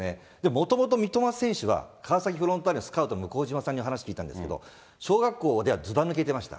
もともと三笘選手は川崎フロンターレのスカウト、むこうじまさんに話聞いたんですけれども、小学校ではずば抜けてました。